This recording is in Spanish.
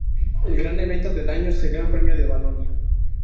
El gran evento del año es el Gran Premio de Valonia.